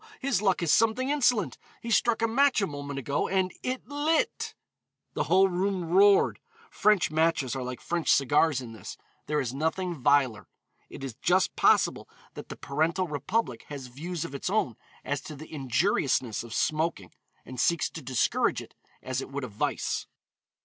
His luck is something insolent; he struck a match a moment ago and it lit." The whole room roared. French matches are like French cigars in this, there is nothing viler. It is just possible that the parental republic has views of its own as to the injuriousness of smoking, and seeks to discourage it as it would a vice.